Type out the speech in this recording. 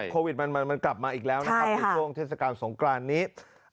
โควิดมันกลับมาอีกแล้วนะครับในช่วงเทศกาลสงกรานนี้